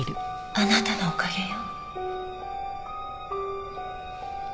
あなたのおかげよ。